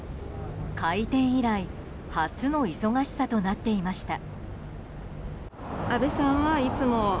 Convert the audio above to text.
開店以来初の忙しさとなっていました。